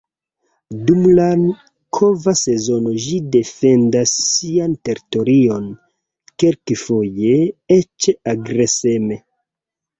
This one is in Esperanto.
Dum la kova sezono ĝi defendas sian teritorion, kelkfoje eĉ agreseme.